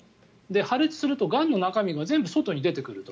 破裂するとがんの中身が全部外に出てくると。